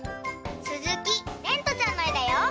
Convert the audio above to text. すずきれんとちゃんのえだよ。